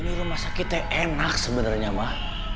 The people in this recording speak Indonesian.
ini rumah sakitnya enak sebenarnya mah